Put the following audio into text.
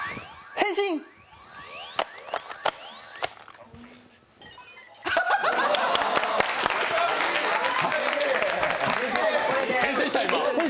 変身した、今？